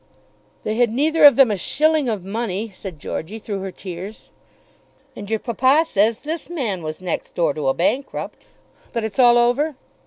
"They had neither of them a shilling of money," said Georgey through her tears. "And your papa says this man was next door to a bankrupt. But it's all over?"